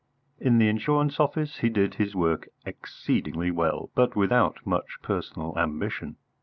In the insurance office he did his work exceedingly well, but without much personal ambition.